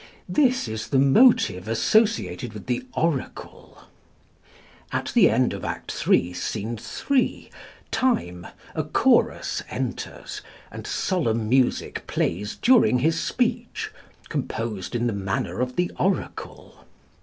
This is the motive associated with the Oracle. At the end of Act iii., Scene 3, Time, a chorus, enters, and solemn music plays during his speech, composed in the manner of the Oracle.